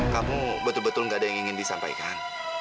kamu betul betul gak ada yang ingin disampaikan